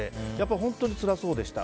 本当につらそうでした。